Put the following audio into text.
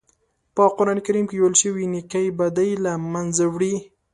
په قرآن کریم کې ویل شوي نېکۍ بدۍ له منځه وړي.